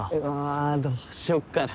あどうしよっかな。